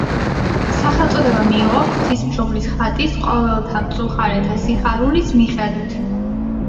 სახელწოდება მიიღო ღვთისმშობლის ხატის „ყოველთა მწუხარეთა სიხარულის“ მიხედვით.